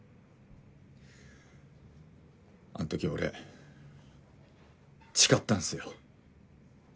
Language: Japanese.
あのとき俺誓ったんすよ。